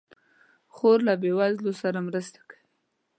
خور له بېوزلو سره مرسته کوي.